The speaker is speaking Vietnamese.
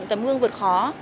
những tấm gương vượt khó